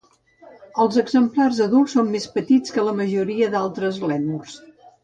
Els exemplars adults són més petits que la majoria d'altres lèmurs.